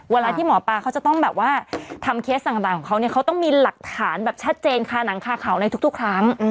เวลาที่หมอปลาเขาจะต้องแบบว่าทำเคสต่างของเขาเนี่ยเขาต้องมีหลักฐานแบบชัดเจนคาหนังคาเขาในทุกครั้ง